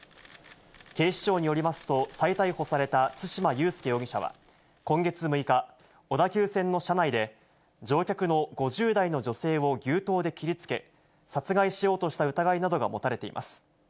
警視庁によりますと、再逮捕された對馬悠介容疑者は今月６日、小田急線の車内で、乗客の５０代の女性を牛刀で切りつけ、殺害しようとした疑いなどが持たれています。